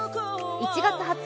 １月２０日